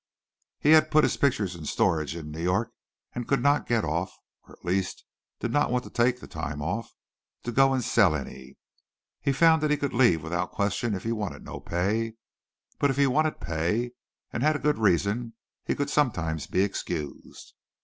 He had put his pictures in storage in New York and could not get off (or at least did not want to take the time off) to go and sell any. He found that he could leave without question if he wanted no pay, but if he wanted pay and had a good reason he could sometimes be excused.